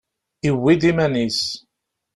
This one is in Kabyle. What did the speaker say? Yewwi-d iman-is.